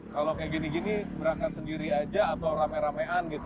kalau kayak gini gini berangkat sendiri aja atau rame ramean gitu